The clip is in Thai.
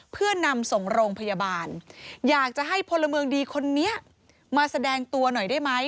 เพื่อนำส่งโรงพยาบาลอยากจะให้พลเมืองดีคนนี้มาแสดงตัวหน่อยได้ไหม